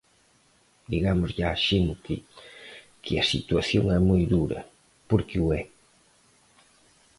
Digámoslle á xente que a situación é moi dura, porque o é.